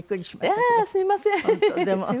すみません。